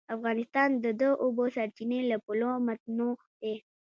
افغانستان د د اوبو سرچینې له پلوه متنوع دی.